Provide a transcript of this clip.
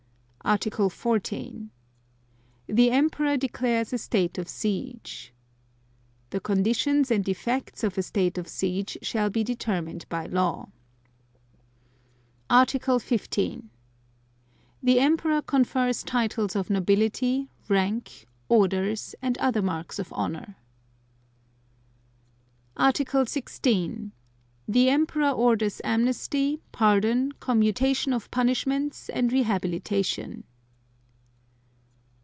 Article 14. The Emperor declares a state of siege. (2) The conditions and effects of a state of siege shall be determined by law. Article 15. The Emperor confers titles of nobility, rank, orders and other marks of honor. Article 16. The Emperor orders amnesty, pardon, commutation of punishments and rehabilitation.